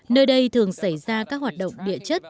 nơi đây thường xảy ra các hoạt động địa chất